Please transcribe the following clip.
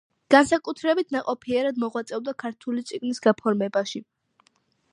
განსაკუთრებით ნაყოფიერად მოღვაწეობდა ქართული წიგნის გაფორმებაში.